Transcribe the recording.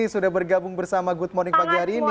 sudah bergabung bersama good morning pagi hari ini